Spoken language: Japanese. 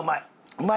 うまい！